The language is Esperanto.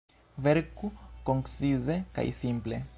Verku koncize kaj simple.